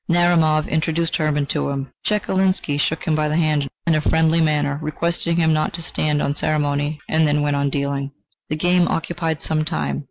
Narumov introduced Hermann to him. Chekalinsky shook him by the hand in a friendly manner, requested him not to stand on ceremony, and then went on dealing. The game occupied some time.